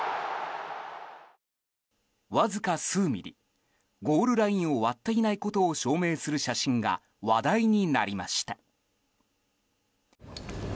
わずか数ミリ、ゴールラインを割っていないことを証明する写真が話題になりました。